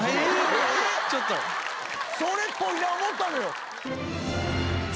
それっぽいな思ったのよ。